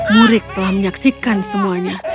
murik telah menyaksikan semuanya